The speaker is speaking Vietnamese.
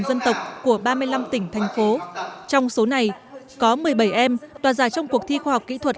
dân tộc của ba mươi năm tỉnh thành phố trong số này có một mươi bảy em đoạt giải trong cuộc thi khoa học kỹ thuật